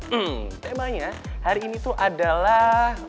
hmm temanya hari ini tuh adalah